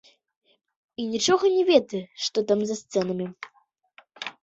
І нічога не ведаеш, што там, за сценамі!